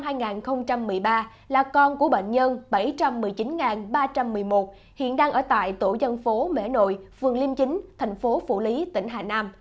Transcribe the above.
bệnh nhân bảy trăm một mươi chín ba trăm một mươi một là con của bệnh nhân bảy trăm một mươi chín ba trăm một mươi một hiện đang ở tại tổ dân phố mẻ nội phường liêm chính thành phố phủ lý tỉnh hà nam